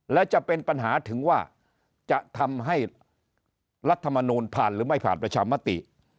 และจะเป็นปัญหาถึงว่าจะทำให้รัฐมนูลผ่านหรือไม่ผ่านประชามติ